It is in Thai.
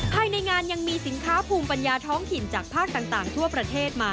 ภายในงานยังมีสินค้าภูมิปัญญาท้องถิ่นจากภาคต่างทั่วประเทศมา